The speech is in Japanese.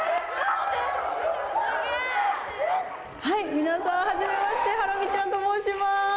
皆さん、はじめまして、ハラミちゃんと申します。